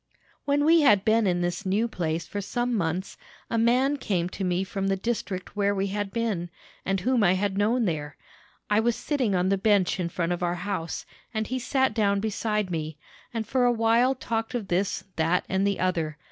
"When we had been in this new place for some months, a man came to me from the district where we had been, and whom I had known there. I was sitting on the bench in front of our house, and he sat down beside me, and for a while talked of this, that, and the other.